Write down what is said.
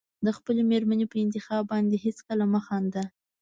د خپلې مېرمنې په انتخاب باندې هېڅکله مه خانده.